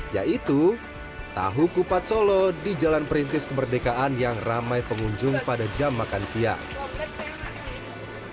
yaitu tahu kupat solo di jalan perintis kemerdekaan yang ramai pengunjung pada jam makan siang